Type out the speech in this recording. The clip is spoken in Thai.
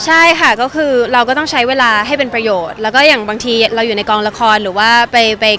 ใช่ค่ะก็คือเราต้องใช้เวลาให้เป็นประโยชน์และก็อย่างบางทีเราอยู่ในกองละครหรือว่าไปคอนเซิร์ตอะไรอย่างเงี้ย